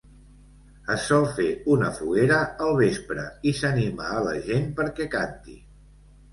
Es sol fer una foguera al vespre i s'anima a la gent per què canti.